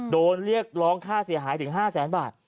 โดนเรียกร้องค่าเสียหายถึง๕แสนบาท